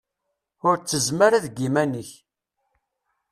Ur ttezzem ara deg yiman-ik!